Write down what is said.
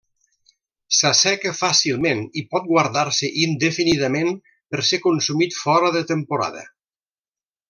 S'asseca fàcilment i pot guardar-se indefinidament per ser consumit fora de temporada.